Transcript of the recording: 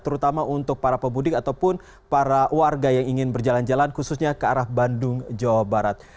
terutama untuk para pemudik ataupun para warga yang ingin berjalan jalan khususnya ke arah bandung jawa barat